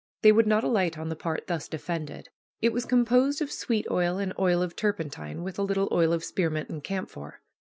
They would not alight on the part thus defended. It was composed of sweet oil and oil of turpentine, with a little oil of spearmint, and camphor.